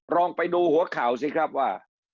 ลองไปดูหัวข่าวสิครับว่า